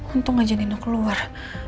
untung aja nino keluar